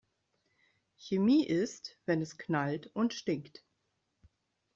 Chemie ist, wenn es knallt und stinkt.